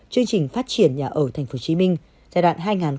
chương trình phát triển nhà ở tp hcm giai đoạn hai nghìn hai mươi hai nghìn hai mươi năm